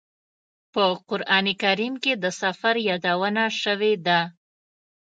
په قران کریم کې د سفر یادونه شوې ده.